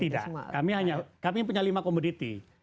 tidak kami hanya kami punya lima komoditi